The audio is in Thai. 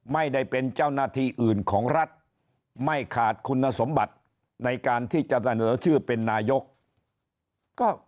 ไม่ได้เป็นเจ้าหน้าที่อื่นของรัฐไม่ขาดคุณสมบัติในการที่จะเสนอชื่อเป็นนายก